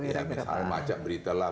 ya misalnya baca berita lah